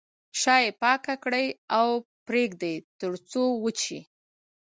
شا یې پاکه کړئ او پرېږدئ تر څو وچ شي.